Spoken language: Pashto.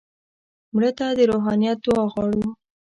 مړه ته د روحانیت دعا غواړو